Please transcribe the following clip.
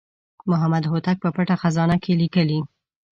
محمد هوتک په پټه خزانه کې لیکلي.